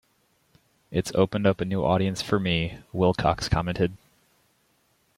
It's opened up a new audience for me, Willcox commented.